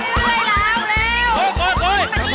เร็ว